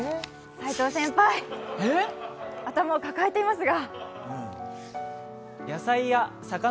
齋藤先輩、頭を抱えていますが。